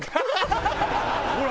ほら！